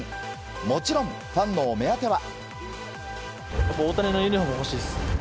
もちろん、ファンのお目当ては。